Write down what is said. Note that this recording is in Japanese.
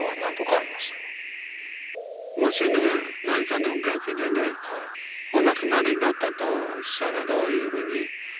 もしね何かの病気でねお亡くなりになったとしたらどういうふうにあなたは思いますか？